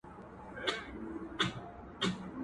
یوه ورځ پاچا وو غلی ورغلی٫